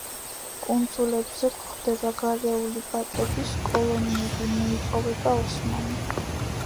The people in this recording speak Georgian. კუნძულებზე გვხვდება გარეული ბატების კოლონიები; მოიპოვება ოსმანი.